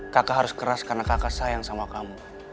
kakak harus keras karena kakak sayang sama kamu